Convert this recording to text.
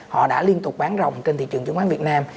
họ đã liên tục bán rộng trên thị trường chứng khoán việt nam